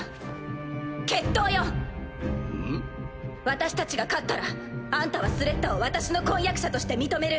私たちが勝ったらあんたはスレッタを私の婚約者として認める。